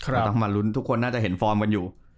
เราต้องมาลุ้นทุกคนน่าจะเห็นฟอร์มกันอยู่